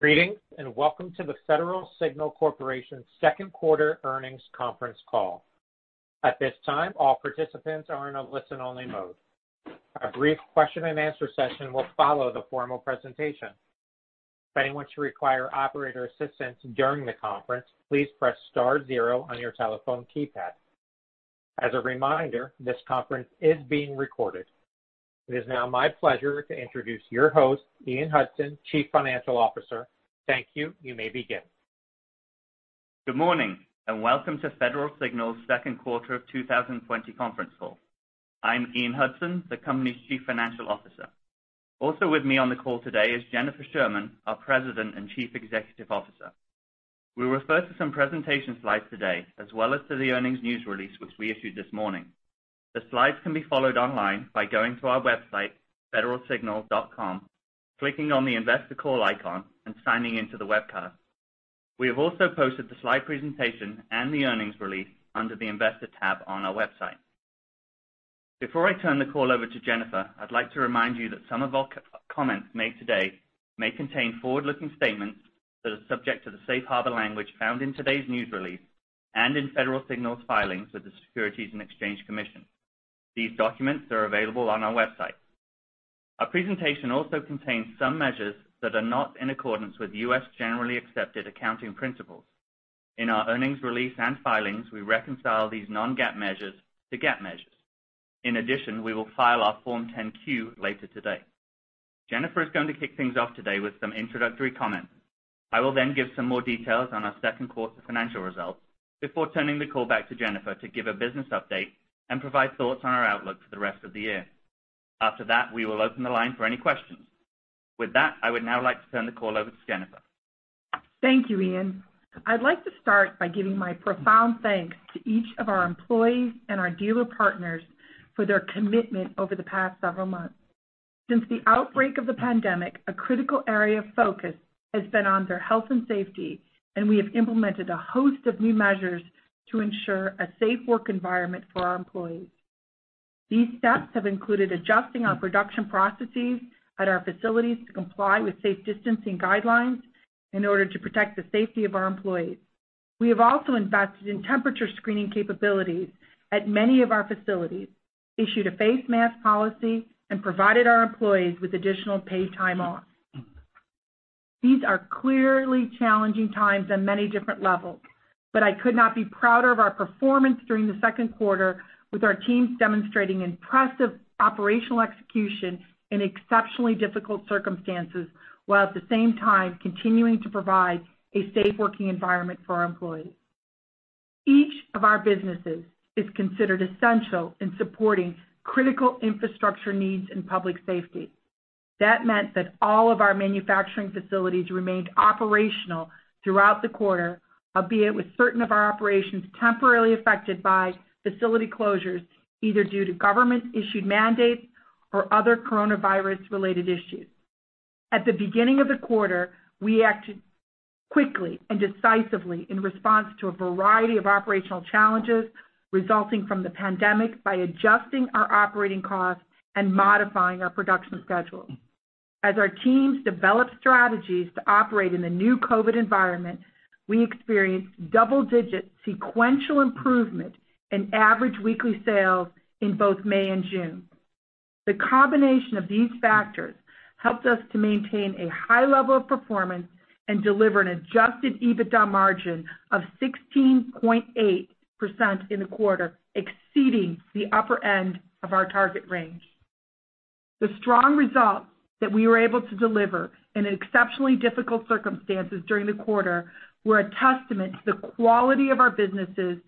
Greetings, and welcome to the Federal Signal Corporation second quarter earnings conference call. At this time, all participants are in a listen-only mode. A brief question and answer session will follow the formal presentation. If anyone should require operator assistance during the conference, please press star zero on your telephone keypad. As a reminder, this conference is being recorded. It is now my pleasure to introduce your host, Ian Hudson, Chief Financial Officer. Thank you. You may begin. Good morning, welcome to Federal Signal second quarter of 2020 conference call. I'm Ian Hudson, the company's Chief Financial Officer. Also with me on the call today is Jennifer Sherman, our President and Chief Executive Officer. We refer to some presentation slides today, as well as to the earnings news release, which we issued this morning. The slides can be followed online by going to our website, federalsignal.com, clicking on the Investor Call icon, and signing in to the webcast. We have also posted the slide presentation and the earnings release under the Investor tab on our website. Before I turn the call over to Jennifer, I'd like to remind you that some of our comments made today may contain forward-looking statements that are subject to the safe harbor language found in today's news release and in Federal Signal's filings with the Securities and Exchange Commission. These documents are available on our website. Our presentation also contains some measures that are not in accordance with U.S. generally accepted accounting principles. In our earnings release and filings, we reconcile these non-GAAP measures to GAAP measures. We will file our Form 10-Q later today. Jennifer is going to kick things off today with some introductory comments. I will then give some more details on our second quarter financial results before turning the call back to Jennifer to give a business update and provide thoughts on our outlook for the rest of the year. We will open the line for any questions. I would now like to turn the call over to Jennifer. Thank you, Ian. I'd like to start by giving my profound thanks to each of our employees and our dealer partners for their commitment over the past several months. Since the outbreak of the pandemic, a critical area of focus has been on their health and safety, and we have implemented a host of new measures to ensure a safe work environment for our employees. These steps have included adjusting our production processes at our facilities to comply with safe distancing guidelines in order to protect the safety of our employees. We have also invested in temperature screening capabilities at many of our facilities, issued a face mask policy, and provided our employees with additional paid time off. These are clearly challenging times on many different levels, but I could not be prouder of our performance during the second quarter with our teams demonstrating impressive operational execution in exceptionally difficult circumstances, while at the same time continuing to provide a safe working environment for our employees. Each of our businesses is considered essential in supporting critical infrastructure needs and public safety. That meant that all of our manufacturing facilities remained operational throughout the quarter, albeit with certain of our operations temporarily affected by facility closures, either due to government-issued mandates or other coronavirus-related issues. At the beginning of the quarter, we acted quickly and decisively in response to a variety of operational challenges resulting from the pandemic by adjusting our operating costs and modifying our production schedule. As our teams developed strategies to operate in the new COVID environment, we experienced double-digit sequential improvement in average weekly sales in both May and June. The combination of these factors helped us to maintain a high level of performance and deliver an adjusted EBITDA margin of 16.8% in the quarter, exceeding the upper end of our target range. The strong results that we were able to deliver in exceptionally difficult circumstances during the quarter were a testament to the quality of our businesses,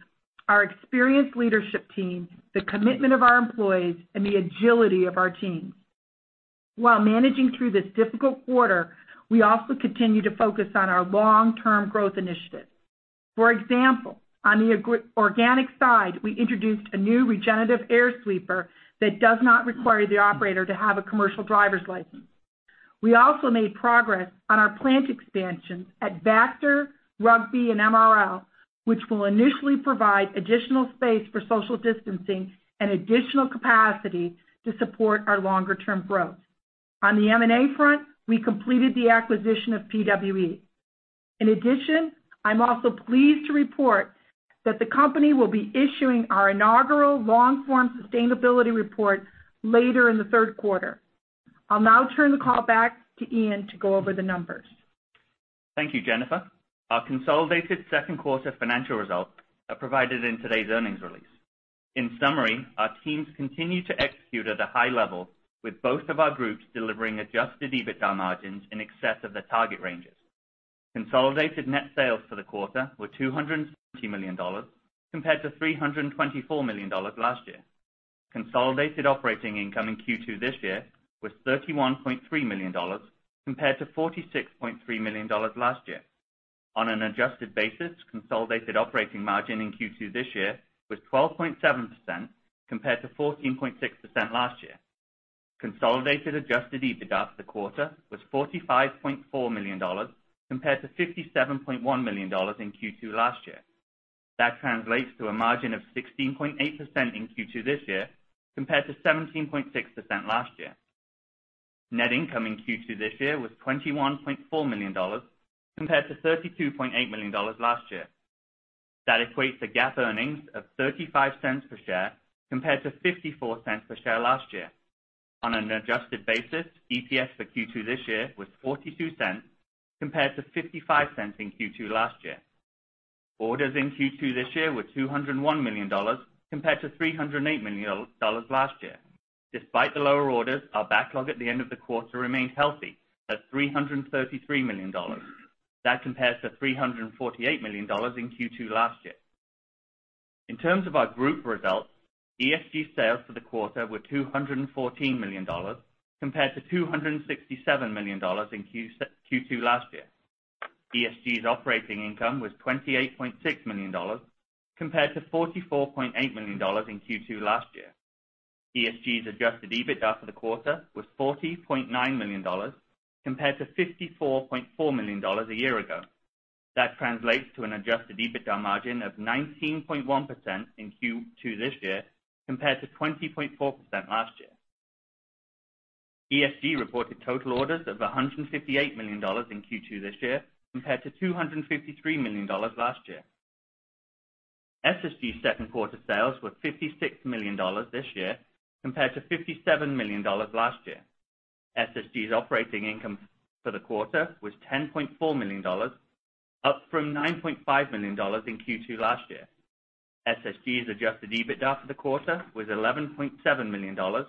our experienced leadership team, the commitment of our employees, and the agility of our teams. While managing through this difficult quarter, we also continue to focus on our long-term growth initiatives. For example, on the organic side, we introduced a new regenerative air sweeper that does not require the operator to have a commercial driver's license. We also made progress on our plant expansions at Vactor, Rugby, and MRL, which will initially provide additional space for social distancing and additional capacity to support our longer-term growth. On the M&A front, we completed the acquisition of PWE. In addition, I'm also pleased to report that the company will be issuing our inaugural long form sustainability report later in the third quarter. I'll now turn the call back to Ian to go over the numbers. Thank you, Jennifer. Our consolidated second quarter financial results are provided in today's earnings release. In summary, our teams continued to execute at a high level with both of our groups delivering adjusted EBITDA margins in excess of the target ranges. Consolidated net sales for the quarter were $250 million compared to $324 million last year. Consolidated operating income in Q2 this year was $31.3 million compared to $46.3 million last year. On an adjusted basis, consolidated operating margin in Q2 this year was 12.7% compared to 14.6% last year. Consolidated adjusted EBITDA for the quarter was $45.4 million compared to $57.1 million in Q2 last year. That translates to a margin of 16.8% in Q2 this year, compared to 17.6% last year. Net income in Q2 this year was $21.4 million, compared to $32.8 million last year. That equates to GAAP earnings of $0.35 per share, compared to $0.54 per share last year. On an adjusted basis, EPS for Q2 this year was $0.42, compared to $0.55 in Q2 last year. Orders in Q2 this year were $201 million, compared to $308 million last year. Despite the lower orders, our backlog at the end of the quarter remained healthy at $333 million. That compares to $348 million in Q2 last year. In terms of our group results, ESG sales for the quarter were $214 million, compared to $267 million in Q2 last year. ESG's operating income was $28.6 million, compared to $44.8 million in Q2 last year. ESG's adjusted EBITDA for the quarter was $40.9 million, compared to $54.4 million a year ago. That translates to an adjusted EBITDA margin of 19.1% in Q2 this year, compared to 20.4% last year. ESG reported total orders of $158 million in Q2 this year, compared to $253 million last year. SSG's second quarter sales were $56 million this year, compared to $57 million last year. SSG's operating income for the quarter was $10.4 million, up from $9.5 million in Q2 last year. SSG's adjusted EBITDA for the quarter was $11.7 million,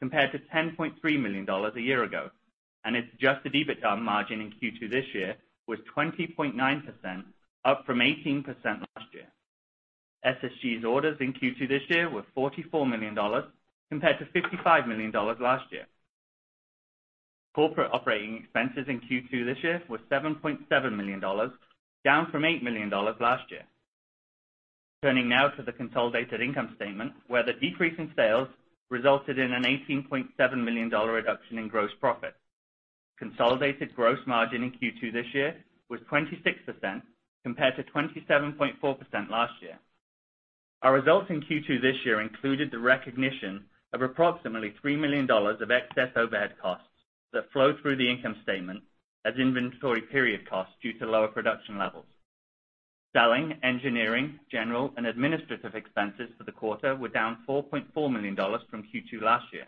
compared to $10.3 million a year ago. Its adjusted EBITDA margin in Q2 this year was 20.9%, up from 18% last year. SSG's orders in Q2 this year were $44 million, compared to $55 million last year. Corporate operating expenses in Q2 this year were $7.7 million, down from $8 million last year. Turning now to the consolidated income statement, where the decrease in sales resulted in an $18.7 million reduction in gross profit. Consolidated gross margin in Q2 this year was 26%, compared to 27.4% last year. Our results in Q2 this year included the recognition of approximately $3 million of excess overhead costs that flow through the income statement as inventory period costs due to lower production levels. Selling, engineering, general, and administrative expenses for the quarter were down $4.4 million from Q2 last year.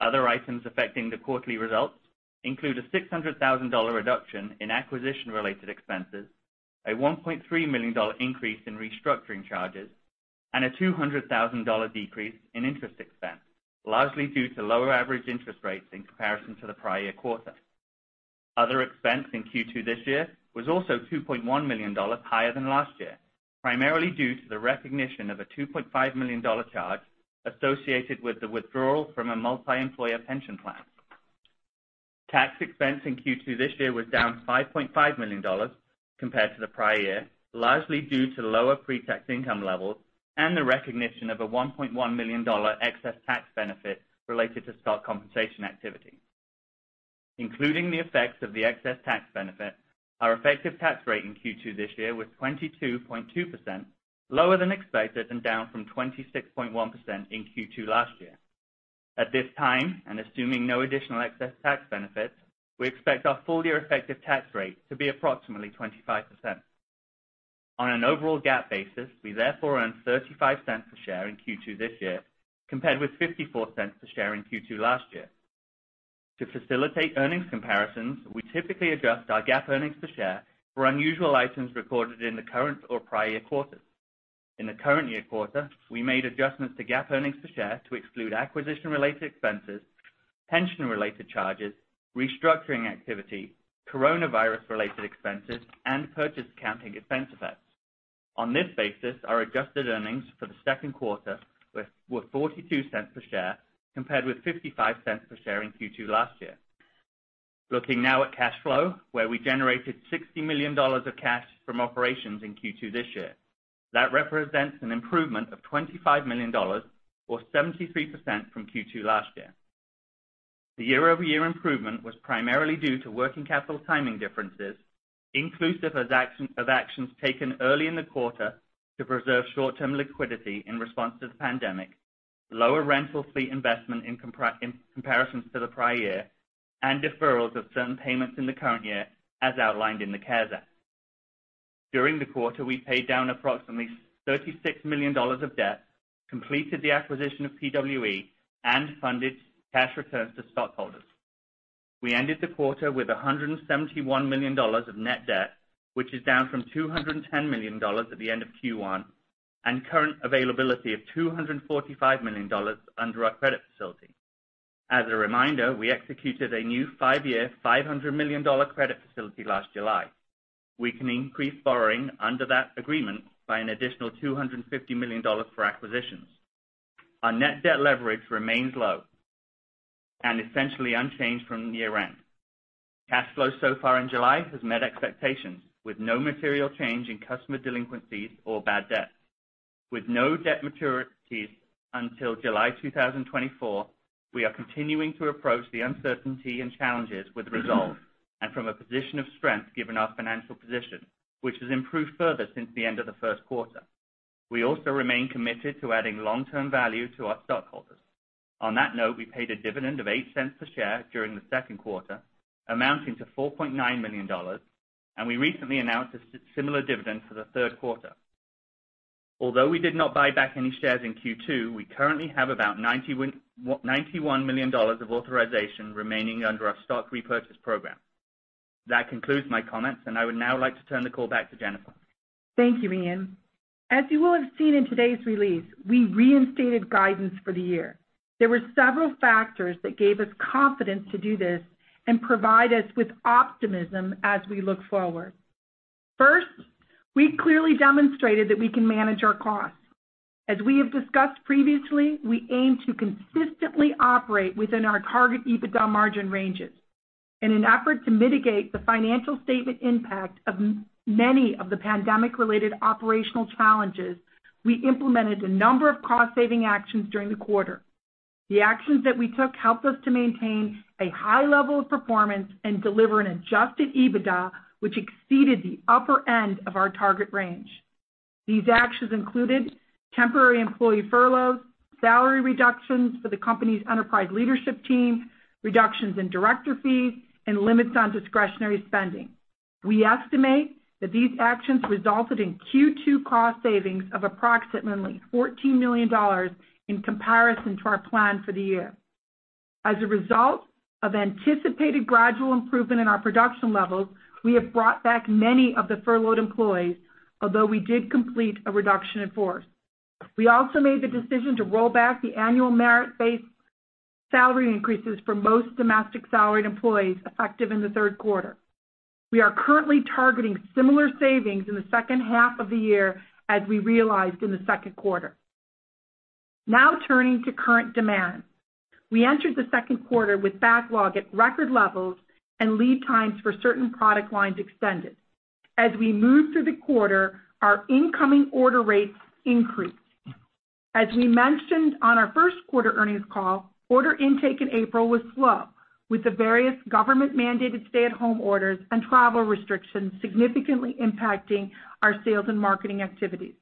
Other items affecting the quarterly results include a $600,000 reduction in acquisition-related expenses, a $1.3 million increase in restructuring charges, and a $200,000 decrease in interest expense, largely due to lower average interest rates in comparison to the prior year quarter. Other expense in Q2 this year was also $2.1 million higher than last year, primarily due to the recognition of a $2.5 million charge associated with the withdrawal from a multi-employer pension plan. Tax expense in Q2 this year was down $5.5 million compared to the prior year, largely due to lower pre-tax income levels and the recognition of a $1.1 million excess tax benefit related to stock compensation activity. Including the effects of the excess tax benefit, our effective tax rate in Q2 this year was 22.2%, lower than expected and down from 26.1% in Q2 last year. At this time, and assuming no additional excess tax benefits, we expect our full-year effective tax rate to be approximately 25%. On an overall GAAP basis, we therefore earned $0.35 a share in Q2 this year, compared with $0.54 a share in Q2 last year. To facilitate earnings comparisons, we typically adjust our GAAP earnings per share for unusual items recorded in the current or prior year quarters. In the current year quarter, we made adjustments to GAAP earnings per share to exclude acquisition-related expenses, pension-related charges, restructuring activity, coronavirus-related expenses, and purchase accounting expense effects. On this basis, our adjusted earnings for the second quarter were $0.42 per share, compared with $0.55 per share in Q2 last year. Looking now at cash flow, where we generated $60 million of cash from operations in Q2 this year. That represents an improvement of $25 million, or 73% from Q2 last year. The year-over-year improvement was primarily due to working capital timing differences, inclusive of actions taken early in the quarter to preserve short-term liquidity in response to the pandemic, lower rental fleet investment in comparisons to the prior year, and deferrals of certain payments in the current year, as outlined in the CARES Act. During the quarter, we paid down approximately $36 million of debt, completed the acquisition of PWE, and funded cash returns to stockholders. We ended the quarter with $171 million of net debt, which is down from $210 million at the end of Q1 and current availability of $245 million under our credit facility. As a reminder, we executed a new five-year, $500 million credit facility last July. We can increase borrowing under that agreement by an additional $250 million for acquisitions. Our net debt leverage remains low and essentially unchanged from year-end. Cash flow so far in July has met expectations, with no material change in customer delinquencies or bad debt. With no debt maturities until July 2024, we are continuing to approach the uncertainty and challenges with resolve and from a position of strength given our financial position, which has improved further since the end of the first quarter. We also remain committed to adding long-term value to our stockholders. On that note, we paid a dividend of $0.08 per share during the second quarter, amounting to $4.9 million, and we recently announced a similar dividend for the third quarter. Although we did not buy back any shares in Q2, we currently have about $91 million of authorization remaining under our stock repurchase program. That concludes my comments, and I would now like to turn the call back to Jennifer. Thank you, Ian. As you will have seen in today's release, we reinstated guidance for the year. There were several factors that gave us confidence to do this and provide us with optimism as we look forward. First, we clearly demonstrated that we can manage our costs. As we have discussed previously, we aim to consistently operate within our target EBITDA margin ranges. In an effort to mitigate the financial statement impact of many of the pandemic-related operational challenges, we implemented a number of cost-saving actions during the quarter. The actions that we took helped us to maintain a high level of performance and deliver an adjusted EBITDA which exceeded the upper end of our target range. These actions included temporary employee furloughs, salary reductions for the company's enterprise leadership team, reductions in director fees, and limits on discretionary spending. We estimate that these actions resulted in Q2 cost savings of approximately $14 million in comparison to our plan for the year. As a result of anticipated gradual improvement in our production levels, we have brought back many of the furloughed employees, although we did complete a reduction in force. We also made the decision to roll back the annual merit-based salary increases for most domestic salaried employees effective in the third quarter. We are currently targeting similar savings in the second half of the year as we realized in the second quarter. Now turning to current demand. We entered the second quarter with backlog at record levels and lead times for certain product lines extended. As we moved through the quarter, our incoming order rates increased. As we mentioned on our first quarter earnings call, order intake in April was slow, with the various government-mandated stay-at-home orders and travel restrictions significantly impacting our sales and marketing activities.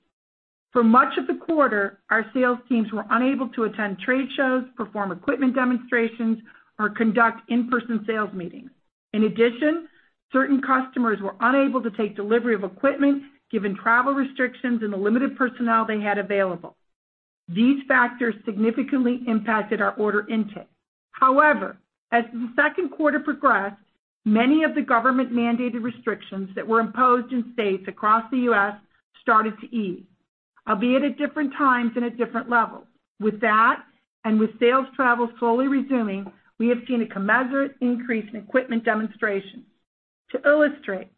For much of the quarter, our sales teams were unable to attend trade shows, perform equipment demonstrations, or conduct in-person sales meetings. In addition, certain customers were unable to take delivery of equipment given travel restrictions and the limited personnel they had available. These factors significantly impacted our order intake. However, as the second quarter progressed, many of the government-mandated restrictions that were imposed in states across the U.S. started to ease, albeit at different times and at different levels. With that, and with sales travel slowly resuming, we have seen a commensurate increase in equipment demonstrations. To illustrate,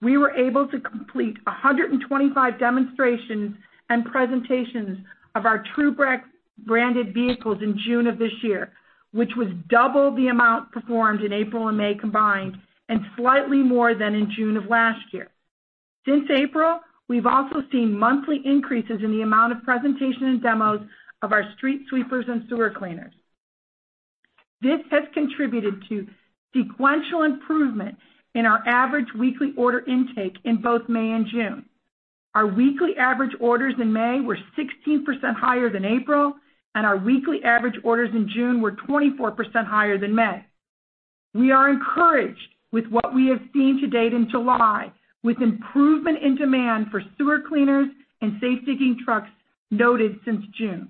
we were able to complete 125 demonstrations and presentations of our TRUVAC branded vehicles in June of this year, which was double the amount performed in April and May combined and slightly more than in June of last year. Since April, we've also seen monthly increases in the amount of presentation and demos of our street sweepers and sewer cleaners. This has contributed to sequential improvement in our average weekly order intake in both May and June. Our weekly average orders in May were 16% higher than April, and our weekly average orders in June were 24% higher than May. We are encouraged with what we have seen to date in July, with improvement in demand for sewer cleaners and safe digging trucks noted since June.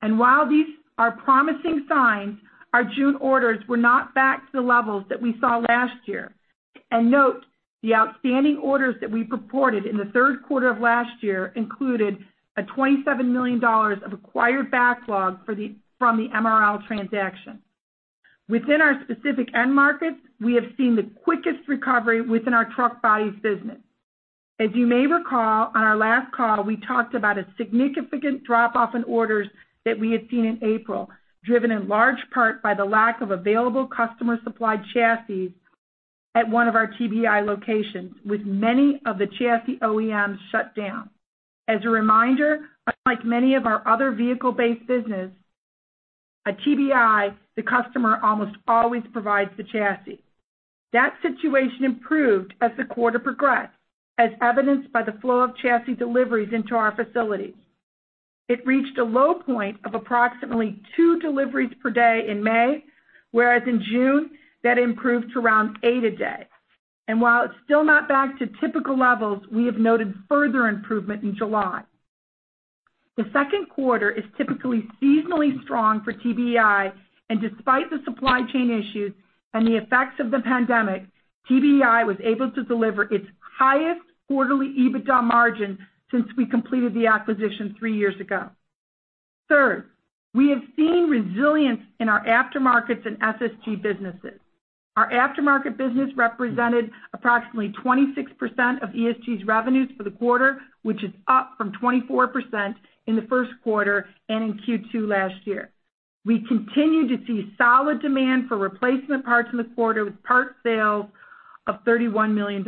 While these are promising signs, our June orders were not back to the levels that we saw last year. Note the outstanding orders that we reported in the third quarter of last year included a $27 million of acquired backlog from the MRL transaction. Within our specific end markets, we have seen the quickest recovery within our truck bodies business. As you may recall, on our last call, we talked about a significant drop-off in orders that we had seen in April, driven in large part by the lack of available customer-supplied chassis at one of our TBEI locations, with many of the chassis OEMs shut down. As a reminder, unlike many of our other vehicle-based business, at TBEI, the customer almost always provides the chassis. That situation improved as the quarter progressed, as evidenced by the flow of chassis deliveries into our facilities. It reached a low point of approximately two deliveries per day in May, whereas in June, that improved to around eight a day. While it's still not back to typical levels, we have noted further improvement in July. The second quarter is typically seasonally strong for TBEI, and despite the supply chain issues and the effects of the pandemic, TBEI was able to deliver its highest quarterly EBITDA margin since we completed the acquisition three years ago. Third, we have seen resilience in our aftermarkets and SSG businesses. Our aftermarket business represented approximately 26% of ESG's revenues for the quarter, which is up from 24% in the first quarter and in Q2 last year. We continue to see solid demand for replacement parts in the quarter with parts sales of $31 million.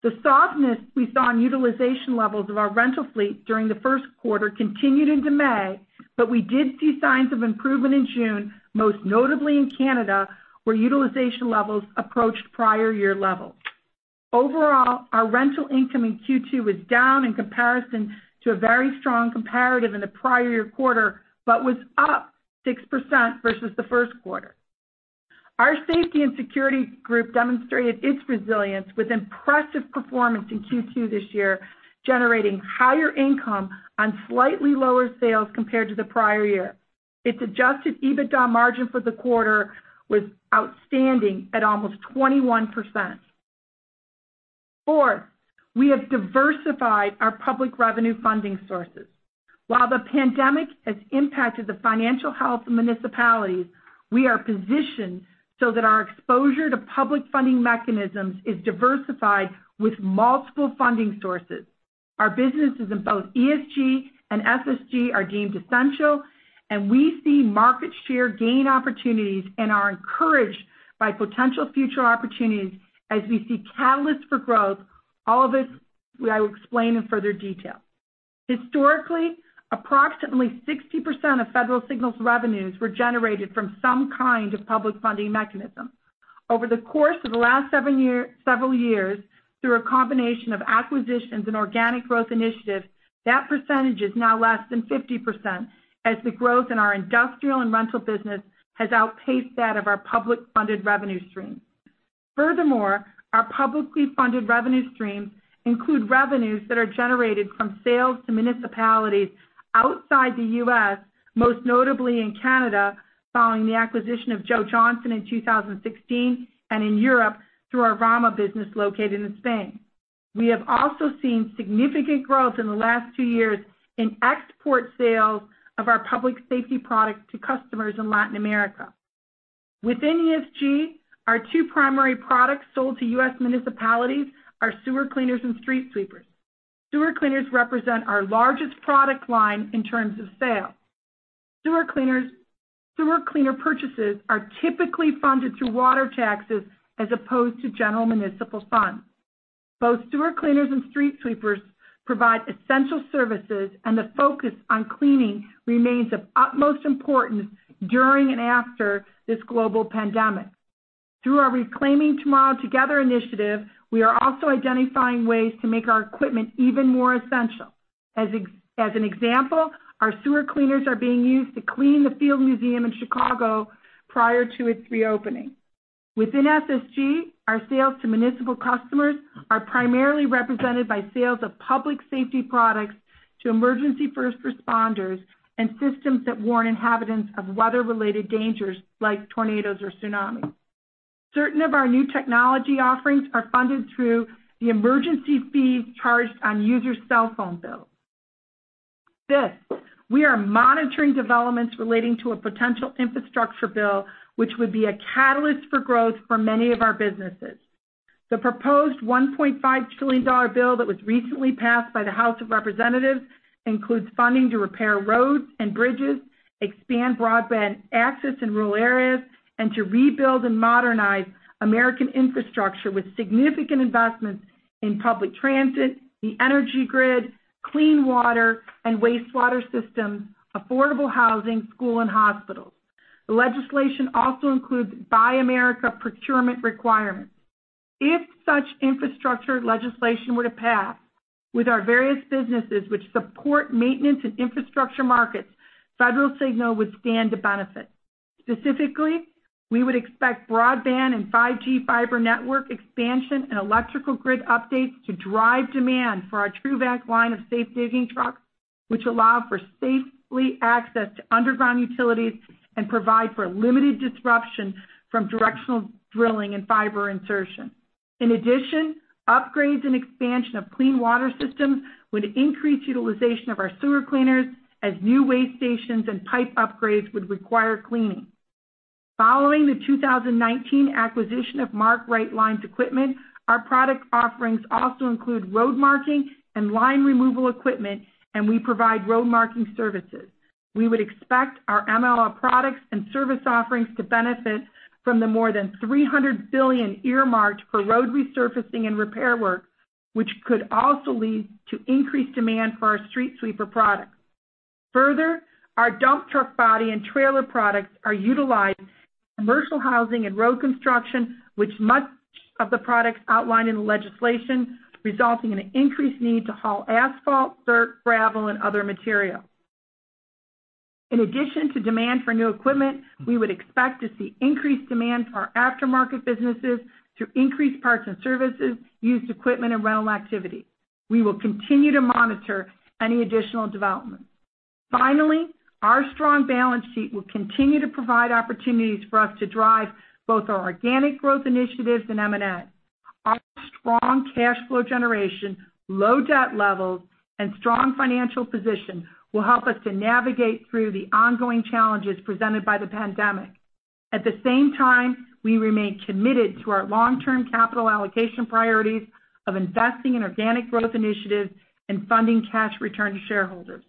The softness we saw in utilization levels of our rental fleet during the first quarter continued into May, but we did see signs of improvement in June, most notably in Canada, where utilization levels approached prior year levels. Overall, our rental income in Q2 was down in comparison to a very strong comparative in the prior year quarter, but was up 6% versus the first quarter. Our safety and security group demonstrated its resilience with impressive performance in Q2 this year, generating higher income on slightly lower sales compared to the prior year. Its adjusted EBITDA margin for the quarter was outstanding at almost 21%. Fourth, we have diversified our public revenue funding sources. While the pandemic has impacted the financial health of municipalities, we are positioned so that our exposure to public funding mechanisms is diversified with multiple funding sources. Our businesses in both ESG and SSG are deemed essential, and we see market share gain opportunities and are encouraged by potential future opportunities as we see catalysts for growth. All of this I will explain in further detail. Historically, approximately 60% of Federal Signal's revenues were generated from some kind of public funding mechanism. Over the course of the last several years, through a combination of acquisitions and organic growth initiatives, that percentage is now less than 50%, as the growth in our industrial and rental business has outpaced that of our public funded revenue stream. Furthermore, our publicly funded revenue streams include revenues that are generated from sales to municipalities outside the U.S., most notably in Canada, following the acquisition of Joe Johnson in 2016, and in Europe, through our Vama business located in Spain. We have also seen significant growth in the last two years in export sales of our public safety products to customers in Latin America. Within ESG, our two primary products sold to U.S. municipalities are sewer cleaners and street sweepers. Sewer cleaners represent our largest product line in terms of sales. Sewer cleaner purchases are typically funded through water taxes as opposed to general municipal funds. Both sewer cleaners and street sweepers provide essential services, and the focus on cleaning remains of utmost importance during and after this global pandemic. Through our Reclaiming Tomorrow Together initiative, we are also identifying ways to make our equipment even more essential. As an example, our sewer cleaners are being used to clean the Field Museum in Chicago prior to its reopening. Within SSG, our sales to municipal customers are primarily represented by sales of public safety products to emergency first responders and systems that warn inhabitants of weather-related dangers like tornadoes or tsunamis. Certain of our new technology offerings are funded through the emergency fees charged on users' cell phone bills. Fifth, we are monitoring developments relating to a potential infrastructure bill, which would be a catalyst for growth for many of our businesses. The proposed $1.5 trillion bill that was recently passed by the House of Representatives includes funding to repair roads and bridges, expand broadband access in rural areas, and to rebuild and modernize American infrastructure with significant investments in public transit, the energy grid, clean water and wastewater systems, affordable housing, school, and hospitals. The legislation also includes Buy America procurement requirements. If such infrastructure legislation were to pass, with our various businesses which support maintenance and infrastructure markets, Federal Signal would stand to benefit. Specifically, we would expect broadband and 5G fiber network expansion and electrical grid updates to drive demand for our TRUVAC line of safe digging trucks, which allow for safely access to underground utilities and provide for limited disruption from directional drilling and fiber insertion. In addition, upgrades and expansion of clean water systems would increase utilization of our sewer cleaners as new waste stations and pipe upgrades would require cleaning. Following the 2019 acquisition of Mark Rite Lines equipment, our product offerings also include road marking and line removal equipment, and we provide road marking services. We would expect our MRL products and service offerings to benefit from the more than $300 billion earmarked for road resurfacing and repair work, which could also lead to increased demand for our street sweeper products. Further, our dump truck body and trailer products are utilized in commercial housing and road construction, which much of the products outlined in the legislation, resulting in an increased need to haul asphalt, dirt, gravel, and other material. In addition to demand for new equipment, we would expect to see increased demand for our aftermarket businesses through increased parts and services, used equipment, and rental activity. We will continue to monitor any additional developments. Finally, our strong balance sheet will continue to provide opportunities for us to drive both our organic growth initiatives and M&A. Our strong cash flow generation, low debt levels, and strong financial position will help us to navigate through the ongoing challenges presented by the pandemic. At the same time, we remain committed to our long-term capital allocation priorities of investing in organic growth initiatives and funding cash return to shareholders.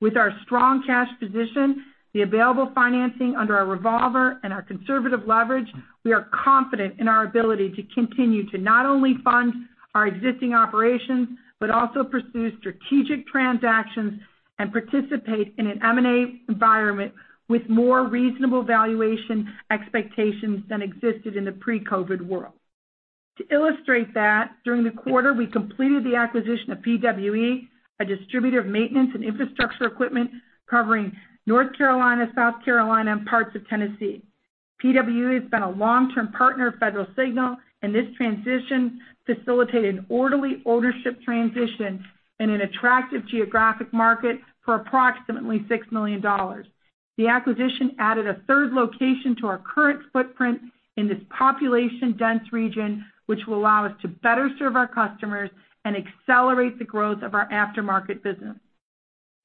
With our strong cash position, the available financing under our revolver and our conservative leverage, we are confident in our ability to continue to not only fund our existing operations, but also pursue strategic transactions and participate in an M&A environment with more reasonable valuation expectations than existed in the pre-COVID world. To illustrate that, during the quarter, we completed the acquisition of PWE, a distributor of maintenance and infrastructure equipment covering North Carolina, South Carolina, and parts of Tennessee. PWE has been a long-term partner of Federal Signal, and this transition facilitated an orderly ownership transition in an attractive geographic market for approximately $6 million. The acquisition added a third location to our current footprint in this population-dense region, which will allow us to better serve our customers and accelerate the growth of our aftermarket business.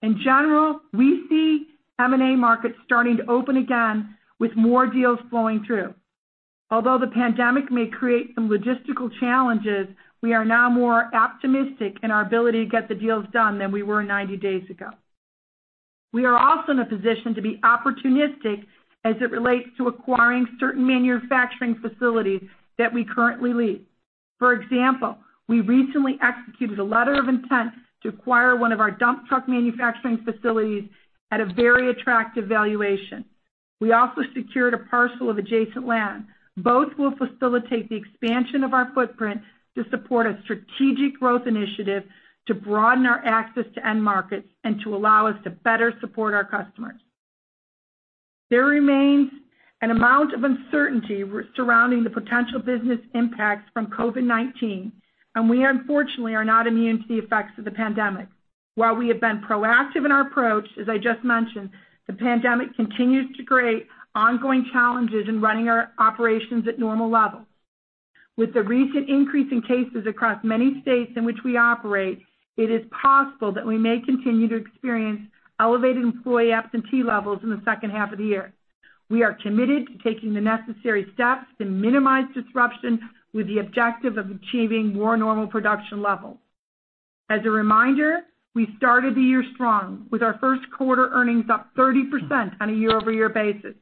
In general, we see M&A markets starting to open again with more deals flowing through. Although the pandemic may create some logistical challenges, we are now more optimistic in our ability to get the deals done than we were 90 days ago. We are also in a position to be opportunistic as it relates to acquiring certain manufacturing facilities that we currently lease. For example, we recently executed a letter of intent to acquire one of our dump truck manufacturing facilities at a very attractive valuation. We also secured a parcel of adjacent land. Both will facilitate the expansion of our footprint to support a strategic growth initiative to broaden our access to end markets and to allow us to better support our customers. There remains an amount of uncertainty surrounding the potential business impacts from COVID-19, and we unfortunately are not immune to the effects of the pandemic. While we have been proactive in our approach, as I just mentioned, the pandemic continues to create ongoing challenges in running our operations at normal levels. With the recent increase in cases across many states in which we operate, it is possible that we may continue to experience elevated employee absentee levels in the second half of the year. We are committed to taking the necessary steps to minimize disruption with the objective of achieving more normal production levels. As a reminder, we started the year strong with our first quarter earnings up 30% on a year-over-year basis.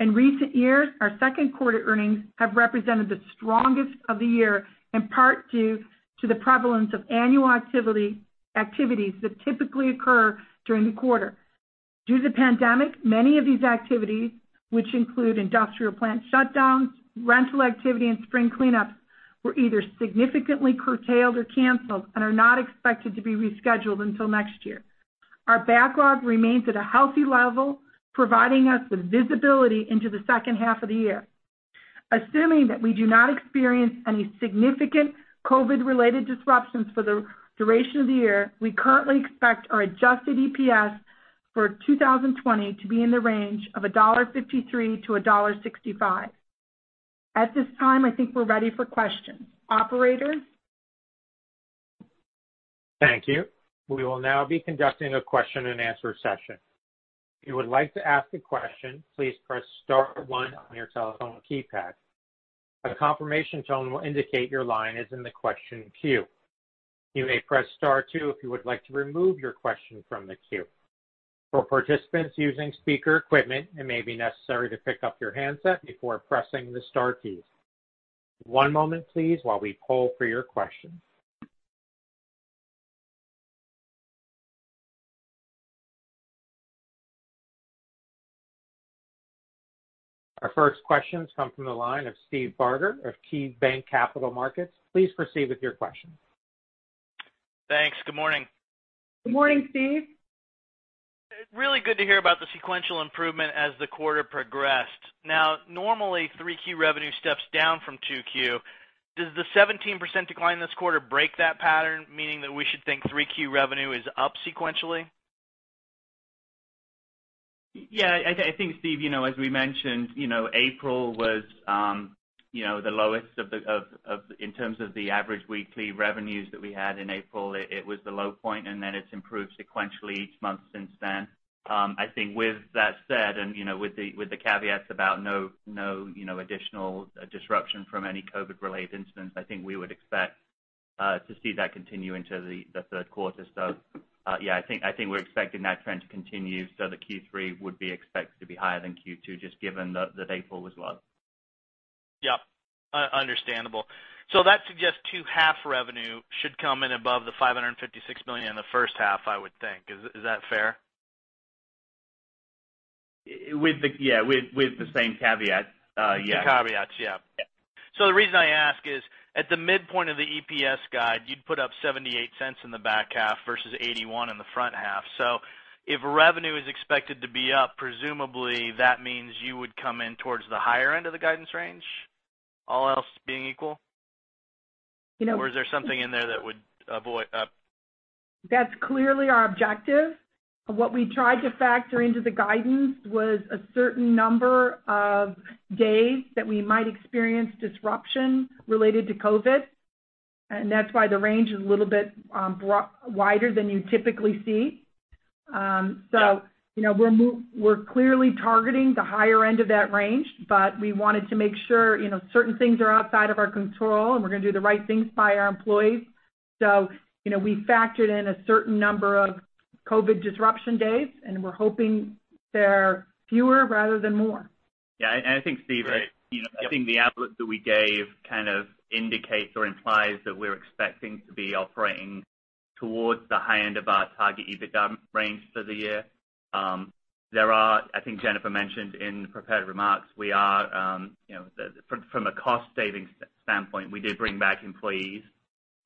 In recent years, our second quarter earnings have represented the strongest of the year, in part due to the prevalence of annual activities that typically occur during the quarter. Due to the pandemic, many of these activities, which include industrial plant shutdowns, rental activity, and spring cleanups, were either significantly curtailed or canceled and are not expected to be rescheduled until next year. Our backlog remains at a healthy level, providing us with visibility into the second half of the year. Assuming that we do not experience any significant COVID-related disruptions for the duration of the year, we currently expect our adjusted EPS for 2020 to be in the range of $1.53-$1.65. At this time, I think we're ready for questions. Operator? Thank you. We will now be conducting a question and answer session. If you would like to ask a question, please press star one on your telephone keypad. A confirmation tone will indicate your line is in the question queue. You may press star two if you would like to remove your question from the queue. For participants using speaker equipment, it may be necessary to pick up your handset before pressing the star keys. One moment, please, while we poll for your questions. Our first question comes from the line of Steve Barger of KeyBanc Capital Markets. Please proceed with your question. Thanks. Good morning. Good morning, Steve. Really good to hear about the sequential improvement as the quarter progressed. Normally, 3Q revenue steps down from 2Q. Does the 17% decline this quarter break that pattern, meaning that we should think 3Q revenue is up sequentially? Yeah, I think Steve, as we mentioned, April was the lowest in terms of the average weekly revenues that we had in April. It was the low point, it's improved sequentially each month since then. I think with that said, and with the caveats about no additional disruption from any COVID-related incidents, I think we would expect to see that continue into the third quarter. Yeah, I think we're expecting that trend to continue, so the Q3 would be expected to be higher than Q2, just given that April was low. Yeah. Understandable. That suggests two half revenue should come in above the $556 million in the first half, I would think. Is that fair? Yeah, with the same caveat. Yeah. The caveats, yeah. Yeah. The reason I ask is, at the midpoint of the EPS guide, you'd put up $0.78 in the back half versus $0.81 in the front half. If revenue is expected to be up, presumably that means you would come in towards the higher end of the guidance range, all else being equal? You know- Is there something in there that would avoid up? That's clearly our objective. What we tried to factor into the guidance was a certain number of days that we might experience disruption related to COVID. That's why the range is a little bit wider than you typically see. We're clearly targeting the higher end of that range, but we wanted to make sure, certain things are outside of our control, and we're going to do the right thing by our employees. We factored in a certain number of COVID disruption days, and we're hoping they're fewer rather than more. Yeah, I think- Right. Yep. I think the outlook that we gave kind of indicates or implies that we're expecting to be operating towards the high end of our target EBITDA range for the year. There are, I think Jennifer mentioned in the prepared remarks, from a cost-saving standpoint, we did bring back employees,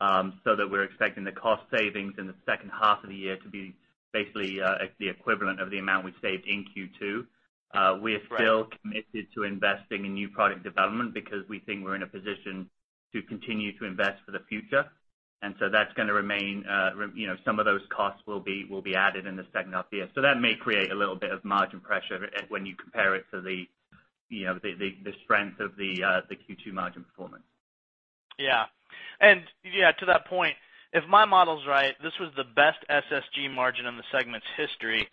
so that we're expecting the cost savings in the second half of the year to be basically the equivalent of the amount we saved in Q2. Right. We're still committed to investing in new product development because we think we're in a position to continue to invest for the future. That's going to remain, some of those costs will be added in the second half of the year. That may create a little bit of margin pressure when you compare it to the strength of the Q2 margin performance. Yeah, to that point, if my model's right, this was the best SSG margin in the segment's history,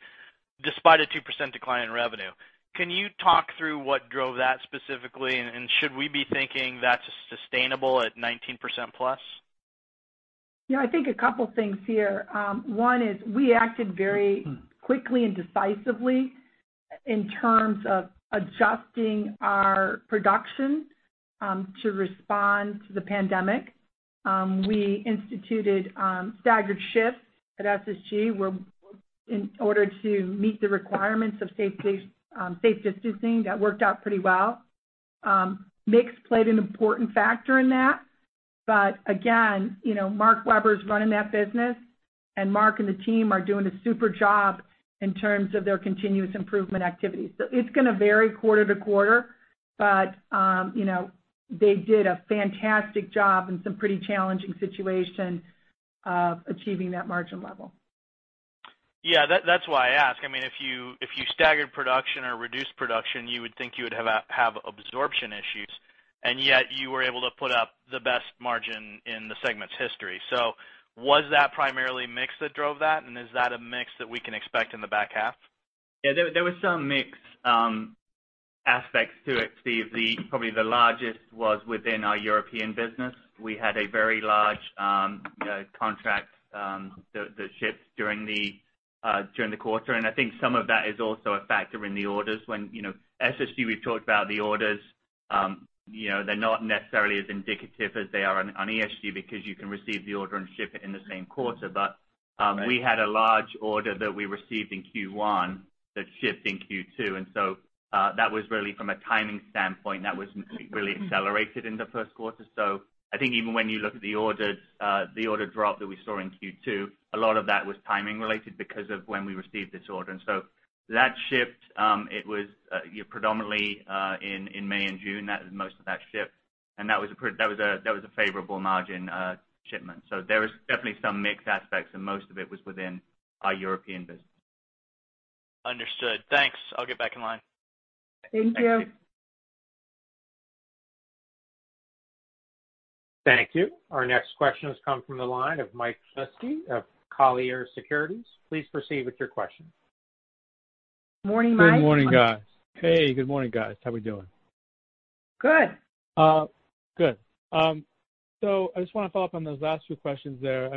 despite a 2% decline in revenue. Can you talk through what drove that specifically? Should we be thinking that's sustainable at 19%+? Yeah, I think a couple of things here. One is we acted very quickly and decisively in terms of adjusting our production to respond to the pandemic. We instituted staggered shifts at SSG in order to meet the requirements of safe distancing. That worked out pretty well. Mix played an important factor in that. Again, Mark Weber's running that business, and Mark and the team are doing a super job in terms of their continuous improvement activities. It's going to vary quarter to quarter. They did a fantastic job in some pretty challenging situation of achieving that margin level. Yeah, that's why I ask. If you staggered production or reduced production, you would think you would have absorption issues, and yet you were able to put up the best margin in the segment's history. Was that primarily mix that drove that, and is that a mix that we can expect in the back half? Yeah, there was some mix aspects to it, Steve. Probably the largest was within our European business. We had a very large contract that shipped during the quarter, and I think some of that is also a factor in the orders. When SSG, we've talked about the orders, they're not necessarily as indicative as they are on ESG because you can receive the order and ship it in the same quarter. Right. We had a large order that we received in Q1 that shipped in Q2. That was really from a timing standpoint, that was really accelerated in the first quarter. I think even when you look at the order drop that we saw in Q2, a lot of that was timing related because of when we received this order. That shipped, it was predominantly in May and June, most of that shipped. That was a favorable margin shipment. There was definitely some mix aspects, and most of it was within our European business. Understood. Thanks. I'll get back in line. Thank you. Thank you. Thank you. Our next question has come from the line of Mike Shlisky of Colliers Securities. Please proceed with your question. Morning, Mike. Good morning, guys. Hey, good morning, guys. How we doing? Good. Good. I just want to follow up on those last few questions there.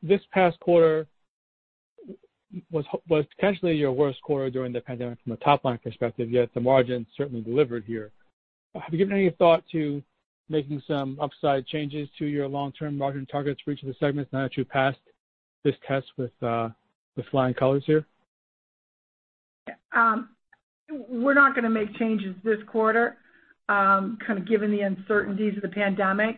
This past quarter was potentially your worst quarter during the pandemic from a top-line perspective, yet the margin certainly delivered here. Have you given any thought to making some upside changes to your long-term margin targets for each of the segments now that you've passed this test with flying colors here? We're not going to make changes this quarter, kind of given the uncertainties of the pandemic.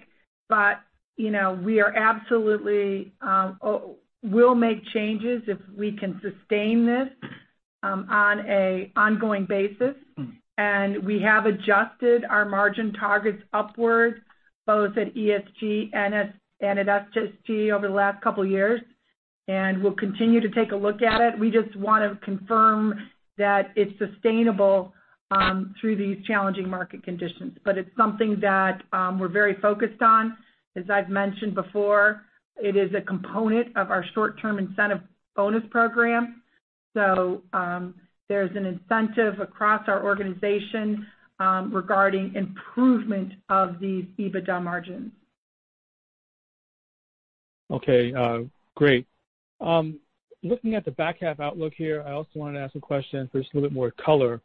We'll make changes if we can sustain this on an ongoing basis. We have adjusted our margin targets upward, both at ESG and at SSG over the last couple of years, and we'll continue to take a look at it. We just want to confirm that it's sustainable through these challenging market conditions. It's something that we're very focused on. As I've mentioned before, it is a component of our short-term incentive bonus program. There's an incentive across our organization regarding improvement of these EBITDA margins. Okay, great. Looking at the back half outlook here, I also wanted to ask a question for just a little bit more color.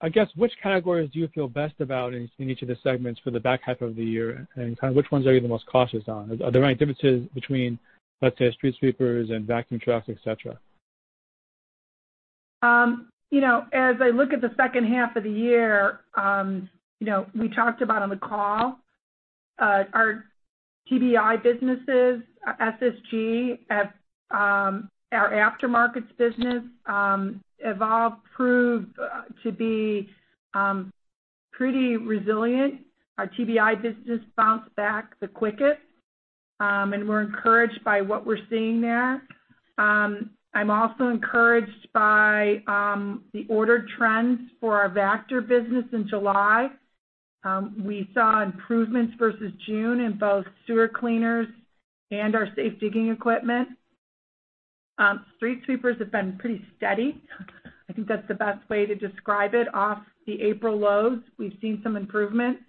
I guess, which categories do you feel best about in each of the segments for the back half of the year, and which ones are you the most cautious on? Are there any differences between, let's say, street sweepers and vacuum trucks, et cetera? As I look at the second half of the year, we talked about on the call, our TBEI businesses, SSG, our aftermarkets business, evolved, proved to be pretty resilient. Our TBEI business bounced back the quickest. We're encouraged by what we're seeing there. I'm also encouraged by the order trends for our Vactor business in July. We saw improvements versus June in both sewer cleaners and our safe digging equipment. Street sweepers have been pretty steady. I think that's the best way to describe it. Off the April lows, we've seen some improvements.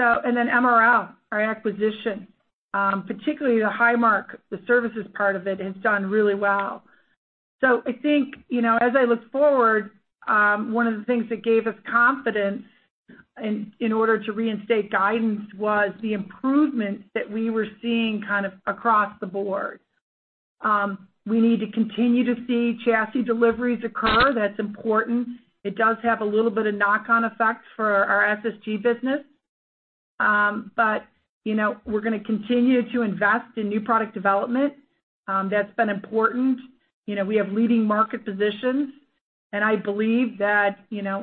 MRL, our acquisition, particularly the HighMark, the services part of it, has done really well. I think, as I look forward, one of the things that gave us confidence in order to reinstate guidance was the improvements that we were seeing kind of across the board. We need to continue to see chassis deliveries occur. That's important. It does have a little bit of knock-on effect for our SSG business. We're going to continue to invest in new product development. That's been important. We have leading market positions, and I believe that,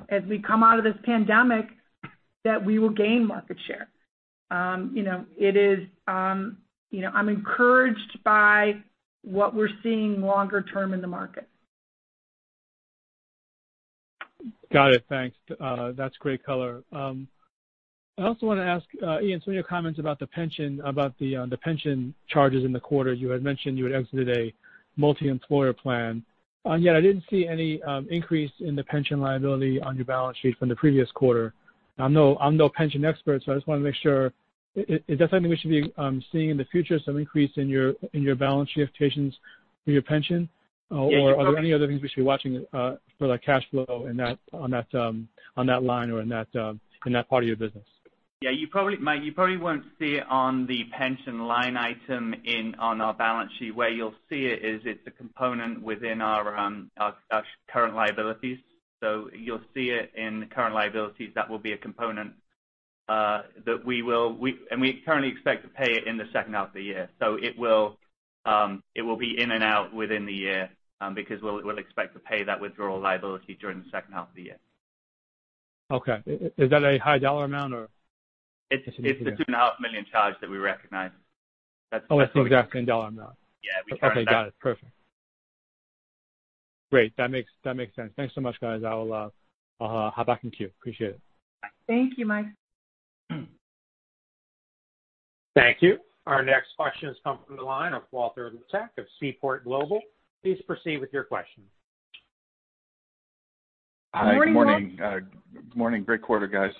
as we come out of this pandemic, that we will gain market share. I'm encouraged by what we're seeing longer term in the market. Got it. Thanks. That's great color. I also want to ask, Ian, some of your comments about the pension charges in the quarter. You had mentioned you had exited a multi-employer plan, and yet I didn't see any increase in the pension liability on your balance sheet from the previous quarter. I'm no pension expert, so I just want to make sure, is that something we should be seeing in the future, some increase in your balance sheet occasions for your pension? Yeah. Are there any other things we should be watching for that cash flow on that line or in that part of your business? Yeah, Mike, you probably won't see it on the pension line item on our balance sheet. Where you'll see it is it's a component within our current liabilities. You'll see it in current liabilities. That will be a component that we currently expect to pay it in the second half of the year. It will be in and out within the year, because we'll expect to pay that withdrawal liability during the second half of the year. Okay. Is that a high dollar amount, or? It's the $2.5 million charge that we recognized. Oh, it's the exact same dollar amount. Yeah. We currently- Okay, got it. Perfect. Great. That makes sense. Thanks so much, guys. I'll hop back in queue. Appreciate it. Thank you, Mike. Thank you. Our next question is coming from the line of Walter Liptak of Seaport Global. Please proceed with your question. Good morning, Walt. Hi. Morning. Morning. Great quarter, guys.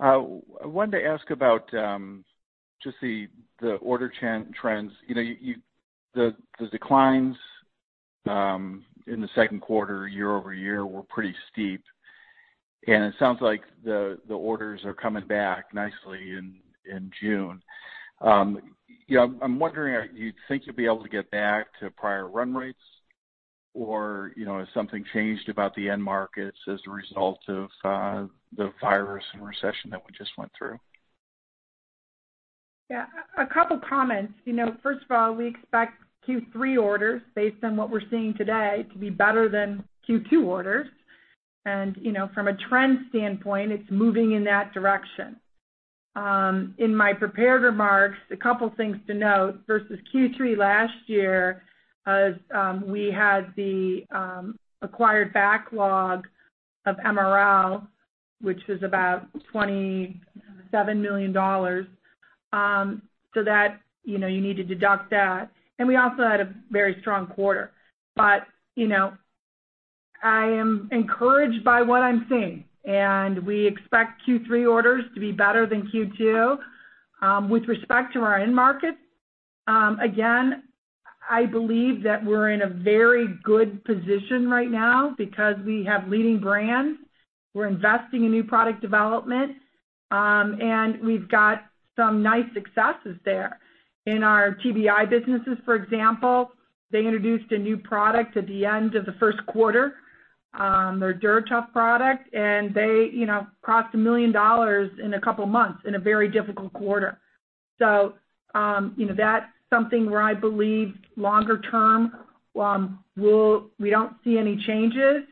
I wanted to ask about just the order trends. The declines in the second quarter year-over-year were pretty steep. It sounds like the orders are coming back nicely in June. I'm wondering, you think you'll be able to get back to prior run rates, or has something changed about the end markets as a result of the virus and recession that we just went through? Yeah. A couple of comments. First of all, we expect Q3 orders, based on what we're seeing today, to be better than Q2 orders. From a trend standpoint, it's moving in that direction. In my prepared remarks, a couple of things to note, versus Q3 last year, we had the acquired backlog of MRL, which was about $27 million. You need to deduct that. We also had a very strong quarter. I am encouraged by what I'm seeing, and we expect Q3 orders to be better than Q2. With respect to our end markets, again, I believe that we're in a very good position right now because we have leading brands. We're investing in new product development. We've got some nice successes there. In our TBEI businesses, for example, they introduced a new product at the end of the first quarter, their DuraTough product, and they crossed $1 million in a couple of months in a very difficult quarter. That's something where I believe longer term, we don't see any changes.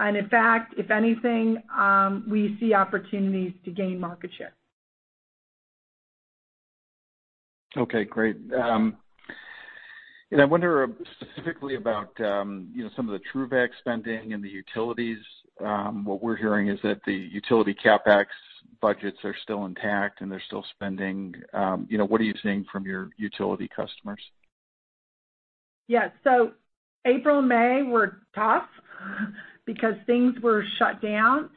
In fact, if anything, we see opportunities to gain market share. Okay, great. I wonder specifically about some of the TRUVAC spending and the utilities. What we're hearing is that the utility CapEx budgets are still intact and they're still spending. What are you seeing from your utility customers? April and May were tough because things were shut down.